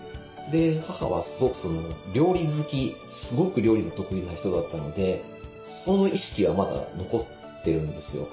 母はすごく料理好きすごく料理の得意な人だったのでその意識はまだ残ってるんですよ。